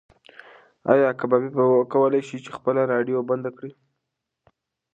ایا کبابي به وکولی شي چې خپله راډیو بنده کړي؟